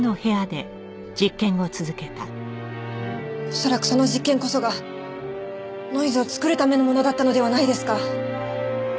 恐らくその実験こそがノイズを作るためのものだったのではないですか？